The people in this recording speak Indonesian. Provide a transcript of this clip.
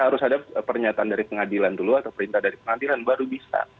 harus ada pernyataan dari pengadilan dulu atau perintah dari pengadilan baru bisa